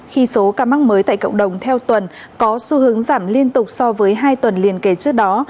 khi số ca mắc mới tại cộng đồng theo tuần có xu hướng giảm liên tục so với hai tuần liên kế trước đó